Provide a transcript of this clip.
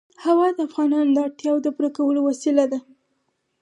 هوا د افغانانو د اړتیاوو د پوره کولو وسیله ده.